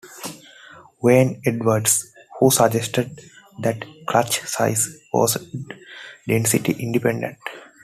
Wynne-Edwards who suggested that clutch size was density-independent.